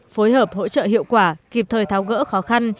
phối hợp hỗ trợ hiệu quả kịp thời tháo gỡ khó khăn